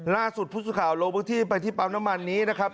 ล่าสุดผู้สื่อข่าวลงพื้นที่ไปที่ปั๊มน้ำมันนี้นะครับ